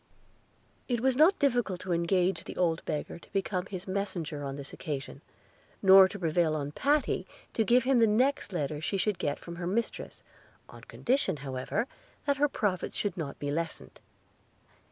It was not difficult to engage the old beggar to become his messenger on this occasion, nor to prevail on Patty to give him the next letter she should get from her mistress, on condition however that her profits should not be lessened.